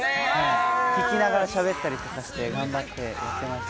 聞きながらしゃべったりとかして、頑張って似せました。